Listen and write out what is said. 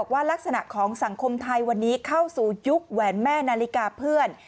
ว่ารักษณะของสังคมไทยวันนี้เข้าสู่ยุคแหวนแม่นาฬิกาเพื่อน